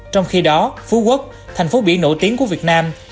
trong khi đó phú quốc thành phố biển nổi tiếng của việt nam